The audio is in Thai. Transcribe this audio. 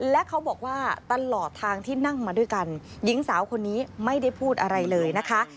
และเขาบอกว่าตลอดทางที่นั่งมาด้วยกันหญิงสาวคนนี้ไม่ได้พูดอะไรเลยนะคะ